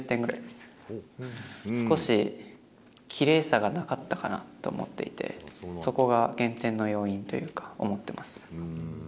少しきれいさがなかったかなと思っていて、そこが減点の要因というか、思ってます。